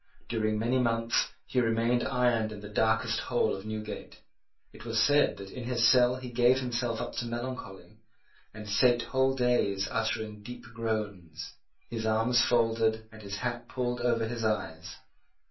During many months he remained ironed in the darkest hole of Newgate. It was said that in his cell he gave himself up to melancholy, and sate whole days uttering deep groans, his arms folded, and his hat pulled over his eyes.